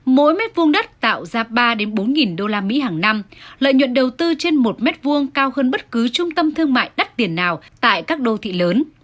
mỗi mét vung đất tạo ra ba bốn đô la mỹ hàng năm lợi nhuận đầu tư trên một mét vung cao hơn bất cứ trung tâm thương mại đắt tiền nào tại các đô thị lớn